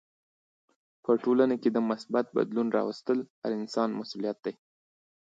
په ټولنه کې د مثبت بدلون راوستل هر انسان مسولیت دی.